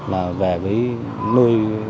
là về với nơi